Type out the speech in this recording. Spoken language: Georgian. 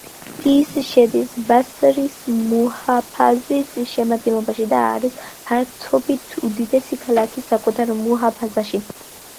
ის შედის ბასრის მუჰაფაზის შემადგენლობაში და არის ფართობით უდიდესი ქალაქი საკუთარ მუჰაფაზაში.